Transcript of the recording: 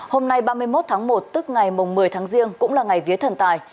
hôm nay ba mươi một tháng một tức ngày một mươi tháng riêng cũng là ngày vía thần tài